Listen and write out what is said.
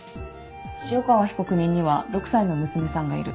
潮川被告人には６歳の娘さんがいる。